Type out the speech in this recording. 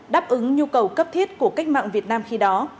đáp ứng nhu cầu cấp thiết của cách mạng việt nam khi đó